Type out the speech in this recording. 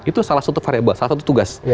itu salah satu variable salah satu tugas